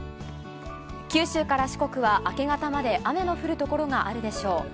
九州から四国は明け方まで雨の降る所があるでしょう。